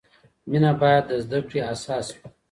مینه باید د زده کړې اساس وي.